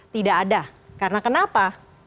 tidak ada karena kenapa